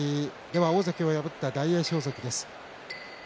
大関を破った大栄翔関です。